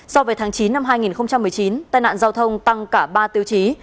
so với tháng chín năm hai nghìn một mươi chín tai nạn giao thông tăng cả ba tiêu chí